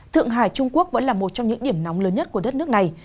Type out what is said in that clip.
thượng hải trung quốc vẫn là một trong những điểm nóng lớn nhất của đất nước này